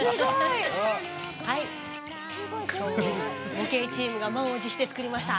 模型チームが満を持して作りました。